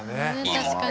確かに。